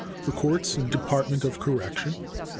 The Courts and Department of Correction.